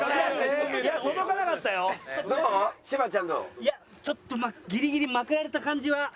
いやちょっとギリギリまくられた感じは。